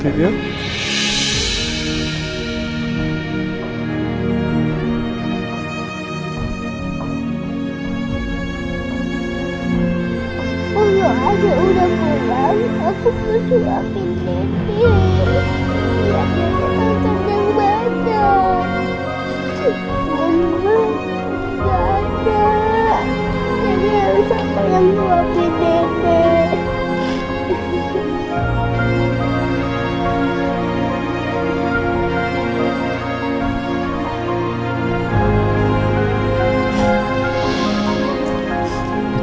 tidak ada yang baik